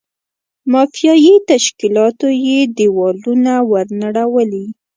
مافیایي تشکیلاتو یې دېوالونه ور نړولي.